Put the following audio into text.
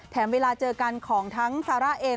เวลาเจอกันของทั้งซาร่าเอง